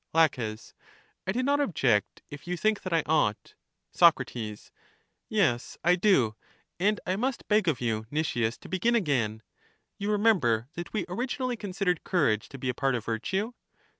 La, I do not object if you think that I ought. Soc, Yes, I do; and I must beg of you, Nicias, to begin again. You remember that we originally con sidered courage to be a part of virtue.